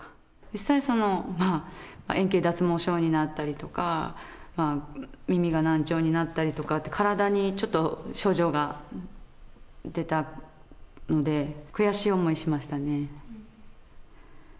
実際に、円形脱毛症になったりだとか、耳が難聴になったりとかって、体にちょっと症状が出たので、悔しい思いしましたね。